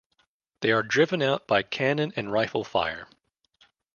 They are driven out by cannon and rifle fire.